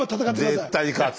絶対に勝つ。